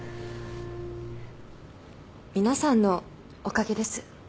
皆さんのおかげです。